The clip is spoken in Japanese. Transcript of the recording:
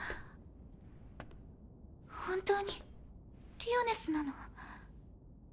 本当にリオネスなの？